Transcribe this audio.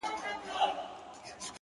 څنگه بيلتون كي گراني شعر وليكم ـ